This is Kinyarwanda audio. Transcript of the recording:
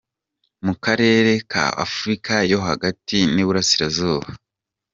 Mu karere ka Afurika yo hagati n’iburasirazuba.